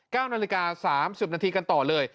๙นาฬิกา๓๐นาทีกันต่อเลย